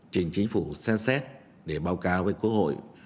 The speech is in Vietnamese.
trình chính phủ xem xét để báo cáo với quốc hội